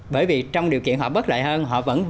bởi vì trong điều kiện họ bất lợi hơn